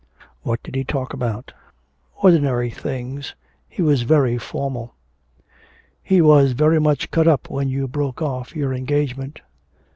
'What did he talk about?' 'Ordinary things. He was very formal.' 'He was very much cut up when you broke off your engagement.'